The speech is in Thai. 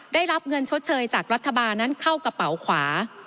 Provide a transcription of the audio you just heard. ได้รับเงินชดเชยจากรัฐบาลนั้นเข้ากระเป๋าขวา